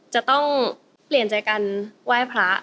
จะต้องเปลี่ยนใจกันไหว้พระ